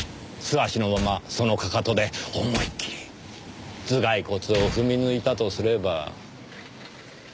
素足のままその踵で思い切り頭蓋骨を踏み抜いたとすれば。